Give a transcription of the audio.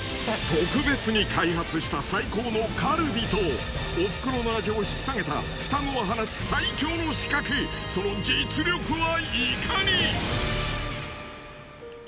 特別に開発した最高のカルビとおふくろの味をひっさげたふたごが放つ最強の刺客その実力はいかに！？